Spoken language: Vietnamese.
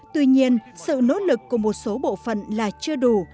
tuy nhiên sự nỗ lực của một số bộ phận là chưa đủ